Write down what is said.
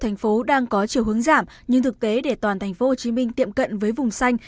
thành phố đang có chiều hướng giảm nhưng thực tế để toàn thành phố hồ chí minh tiệm cận với vùng xanh